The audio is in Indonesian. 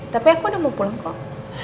tapi aku udah mau pulang kok